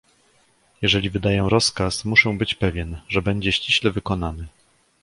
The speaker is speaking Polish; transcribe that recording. "Jeżeli wydaję rozkaz, muszę być pewien, że będzie ściśle wykonany."